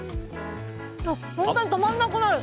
本当に止まらなくなる。